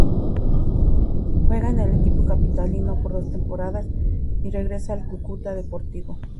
Juega en el equipo capitalino por dos temporadas y regresa al Cúcuta Deportivo.